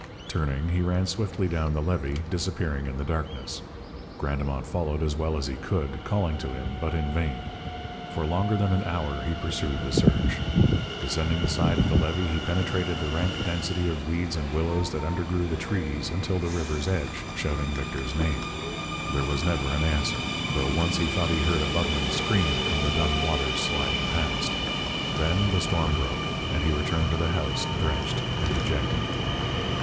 Turning, he ran swiftly down the levee, disappearing in the darkness. Grandemont followed as well as he could, calling to him, but in vain. For longer than an hour he pursued the search. Descending the side of the levee, he penetrated the rank density of weeds and willows that undergrew the trees until the river's edge, shouting Victor's name. There was never an answer, though once he thought he heard a bubbling scream from the dun waters sliding past. Then the storm broke, and he returned to the house drenched and dejected.